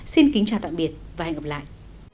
xin kính chào tạm biệt và hẹn gặp lại